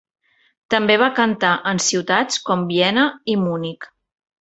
També va cantar en ciutats com Viena i Munic.